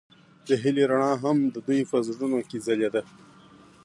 د هیلې رڼا هم د دوی په زړونو کې ځلېده.